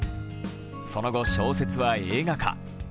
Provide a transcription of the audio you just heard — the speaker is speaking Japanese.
その後、小説は映画化。